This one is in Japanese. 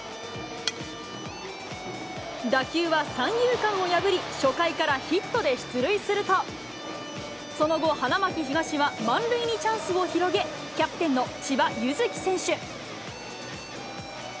打球は三遊間を破り、初回からヒットで出塁すると、その後、花巻東は満塁にチャンスを広げ、キャプテンの千葉柚樹選手。